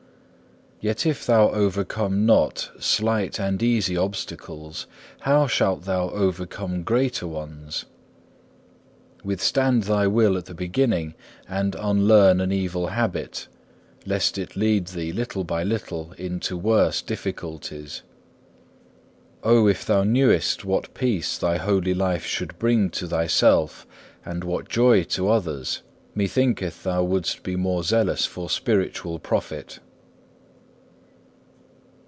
Yet if thou overcome not slight and easy obstacles, how shalt thou overcome greater ones? Withstand thy will at the beginning, and unlearn an evil habit, lest it lead thee little by little into worse difficulties. Oh, if thou knewest what peace to thyself thy holy life should bring to thyself, and what joy to others, methinketh thou wouldst be more zealous for spiritual profit.